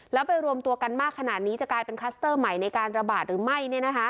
แล้วไปรวมตัวกันมากขนาดนี้จะกลายเป็นคลัสเตอร์ใหม่ในการระบาดหรือไม่